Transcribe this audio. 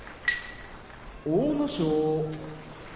阿武咲